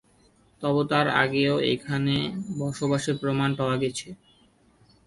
তবে তার আগেও এখানে বসবাসের প্রমাণ পাওয়া গেছে।